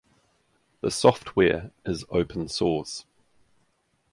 The software is open source.